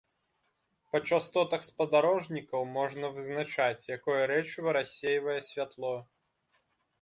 Па частотах спадарожнікаў можна вызначаць, якое рэчыва рассейвае святло.